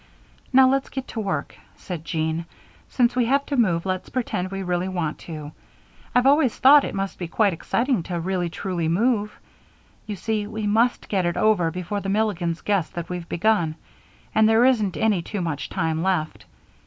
"Now let's get to work," said Jean. "Since we have to move let's pretend we really want to. I've always thought it must be quite exciting to really truly move. You see, we must get it over before the Milligans guess that we've begun, and there isn't any too much time left.